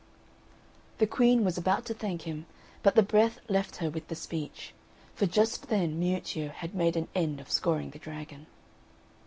The Queen was about to thank him, but the breath left her with the speech; for just then Miuccio had made an end of scoring the dragon.